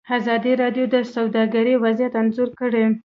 ازادي راډیو د سوداګري وضعیت انځور کړی.